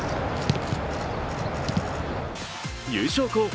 優勝候補